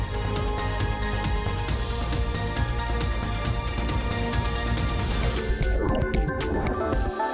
สวัสดีค่ะ